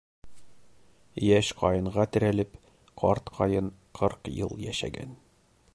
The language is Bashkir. Йәш ҡайынға терәлеп, карт ҡайын ҡырҡ йыл йәшәгән.